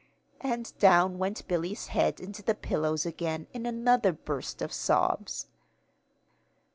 And down went Billy's head into the pillows again in another burst of sobs.